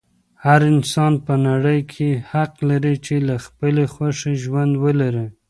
هر انسان په نړۍ کې حق لري چې د خپلې خوښې ژوند ولري.